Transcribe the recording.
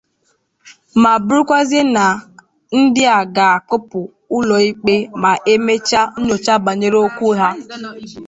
ma bụrụkwazie ndị a ga-akpụpụ ụlọ ikpe ma e mechaa nnyocha bànyere okwu ha.